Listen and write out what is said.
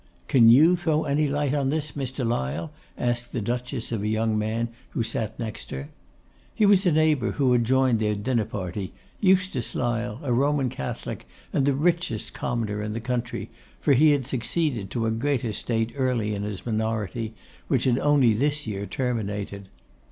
'Can you throw any light on this, Mr. Lyle?' asked the Duchess of a young man who sat next her. He was a neighbour who had joined their dinner party, Eustace Lyle, a Roman Catholic, and the richest commoner in the county; for he had succeeded to a great estate early in his minority, which had only this year terminated.